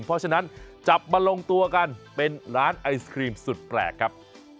เพราะฉะนั้นจับมาลงตัวกันเป็นร้านไอศครีมสุดแปลกครับ